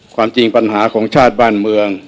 ความจริงปัญหาของชาติบ้านเมือง